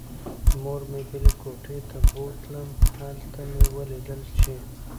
مور مې بلې کوټې ته بوتلم. هلته مې ولیدله چې